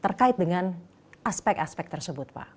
terkait dengan aspek aspek tersebut pak